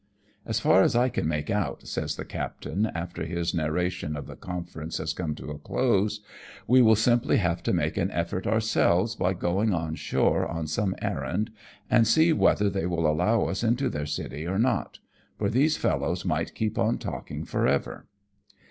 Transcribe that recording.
" As far as I can make out," says the captain, after his narration of the conference has come to a close, " we will simply have to make an effort ourselves by going on shore on some errand, and see whether they will allow us into their city or not, for these fellows might keep on talking for ever.